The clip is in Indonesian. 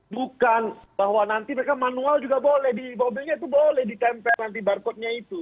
bukan bahwa nanti mereka manual juga boleh di mobilnya itu boleh ditempel nanti barcode nya itu